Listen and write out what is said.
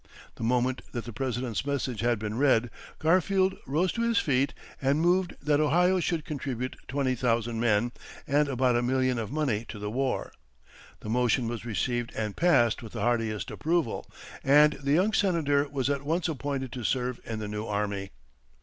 The moment that the President's message had been read, Garfield rose to his feet, and moved that Ohio should contribute 20,000 men and about a million of money to the war. The motion was received and passed with the heartiest approval, and the young Senator was at once appointed to serve in the new army.